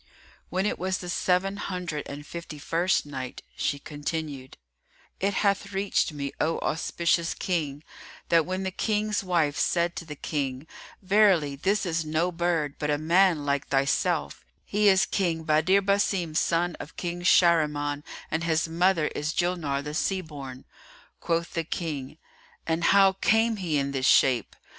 When it was the Seven Hundred and Fifty first Night, She continued, It hath reached me, O auspicious King, that when the King's wife said to the King, "Verily, this is no bird but a man like thyself: he is King Badr Basim son of King Shahriman and his mother is Julnar the Sea born," quoth the King, "And how came he in this shape?"